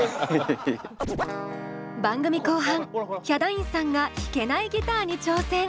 番組後半ヒャダインさんが弾けないギターに挑戦。